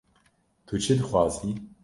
- Tu çi dixwazî?